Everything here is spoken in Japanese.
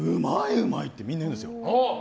うまい！ってみんな言うんですよ。